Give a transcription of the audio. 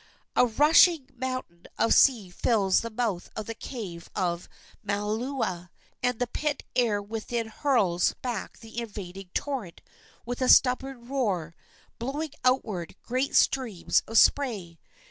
A rushing mountain of sea fills the mouth of the cave of Malauea, and the pent air within hurls back the invading torrent with a stubborn roar, blowing outward great streams of spray.